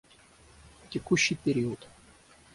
Текущий период